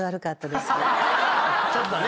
ちょっとね。